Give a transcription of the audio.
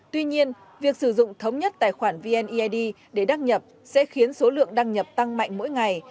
tuy nhiên việc sử dụng thống nhất tài khoản vned để đăng nhập sẽ khiến số lượng đăng nhập tăng mạnh mỗi ngày